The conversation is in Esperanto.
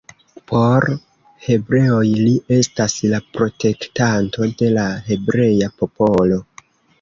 Por hebreoj li estas la protektanto de la hebrea popolo.